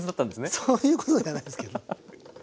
そういうことではないんですけど。